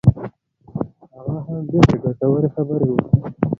هغه هم ډېرې ګټورې خبرې وکړې.